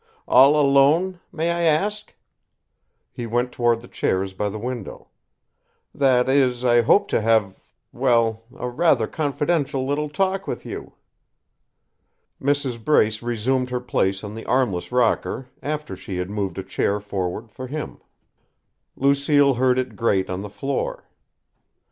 "All alone may I ask?" He went toward the chairs by the window. "That is, I hope to have well rather a confidential little talk with you." Mrs. Brace resumed her place on the armless rocker after she had moved a chair forward for him. Lucille heard it grate on the floor.